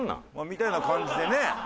まあみたいな感じでね